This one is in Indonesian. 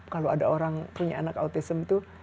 kalau ada orang punya anak autism itu